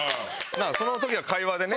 その時は会話でね。